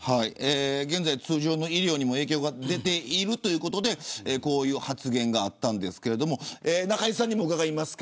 現在、通常の医療にも影響が出ているということでこういう発言があったんですけれど中居さんにも伺います。